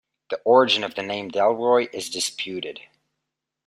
The origin of the name "Dellroy" is disputed.